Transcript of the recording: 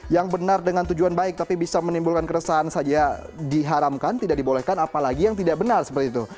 yang benar dengan tujuan baik tapi bisa menimbulkan keresahan saja diharamkan tidak dibolehkan apalagi yang tidak benar seperti itu